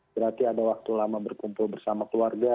berarti ada waktu lama berkumpul bersama keluarga